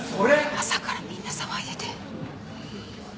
朝からみんな騒いでて。